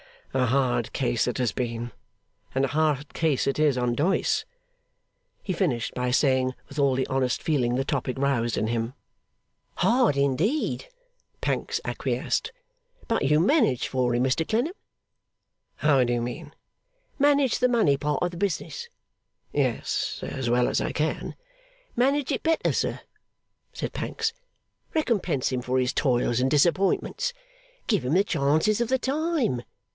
'A hard case it has been, and a hard case it is on Doyce,' he finished by saying, with all the honest feeling the topic roused in him. 'Hard indeed,' Pancks acquiesced. 'But you manage for him, Mr Clennam?' 'How do you mean?' 'Manage the money part of the business?' 'Yes. As well as I can.' 'Manage it better, sir,' said Pancks. 'Recompense him for his toils and disappointments. Give him the chances of the time.